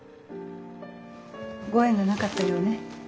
ご縁がなかったようね。